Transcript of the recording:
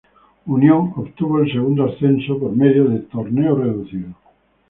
Unión obtuvo el segundo ascenso por medio del "Torneo Reducido".